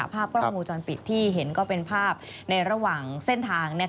ภาพกล้องวงจรปิดที่เห็นก็เป็นภาพในระหว่างเส้นทาง